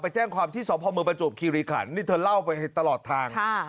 แจ้งความที่สพเมืองประจวบคิริขันนี่เธอเล่าไปตลอดทาง